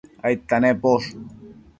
aidta nemposh?